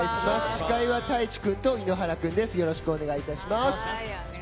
司会は太一君と井ノ原君です。